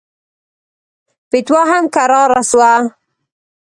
فتوا هم کراره سوه.